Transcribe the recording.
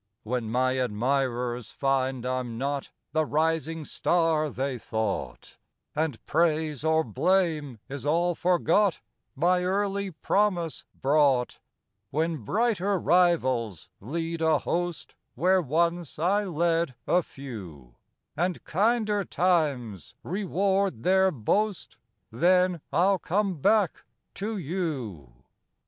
When my admirers find I'm not The rising star they thought, And praise or blame is all forgot My early promise brought; When brighter rivals lead a host Where once I led a few, And kinder times reward their boast, Then I'll come back to you.